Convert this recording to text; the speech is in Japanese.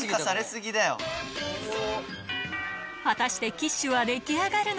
果たしてキッシュは出来上がるのか？